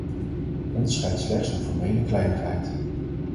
Ons scheidt slechts een formele kleinigheid.